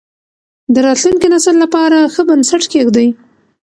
د راتلونکي نسل لپاره ښه بنسټ کېږدئ.